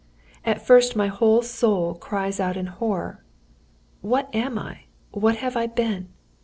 "At first my whole soul cried out in horror: 'What am I? What have I been?